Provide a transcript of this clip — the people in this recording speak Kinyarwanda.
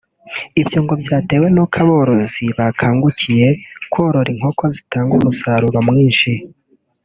Ibyo ngo byatewe n’uko aborozi bakangukiye korora inkoko zitanga umusaruro mwinshi